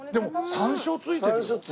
山椒付いてる。